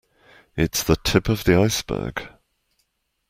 It's the tip of the iceberg.